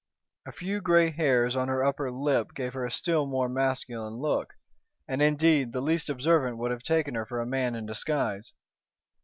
A few grey hairs on her upper lip gave her a still more masculine look, and, indeed, the least observant would have taken her for a man in disguise.